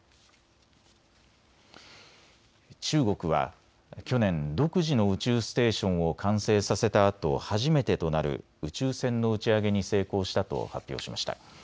中国は去年、独自の宇宙ステーションを完成させたあと初めてとなる宇宙船の打ち上げに成功したと発表しました。